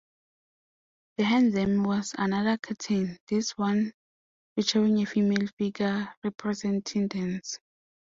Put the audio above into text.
Behind them was another curtain, this one featuring a female figure representing "Dance".